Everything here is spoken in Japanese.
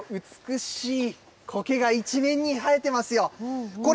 ここにも美しいコケが一面に生えてますよ。